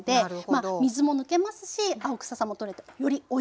まあ水も抜けますし青くささも取れてよりおいしくなります。